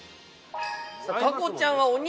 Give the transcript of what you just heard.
かこちゃんはお肉。